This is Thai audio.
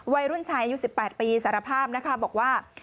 วัยรุ่นชายอายุ๑๘ปีสารภาพนะคะบอกว่า